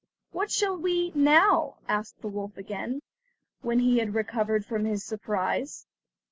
"What shall we eat now?" asked the wolf again, when he had recovered from his surprise.